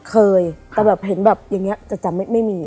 เคยแต่แบบเห็นแบบอย่างนี้จะจำไม่มี